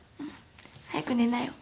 早く寝なよ。